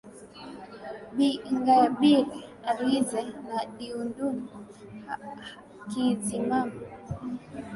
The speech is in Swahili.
bi ingabire elize na diudune hakizimana